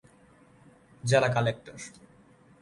জেলা কালেক্টর।